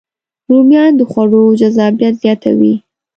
رومیان د خوړو جذابیت زیاتوي